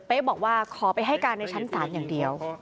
เป๊ะบอกว่าขอไปให้การที่ชั้นสามอย่างเดียว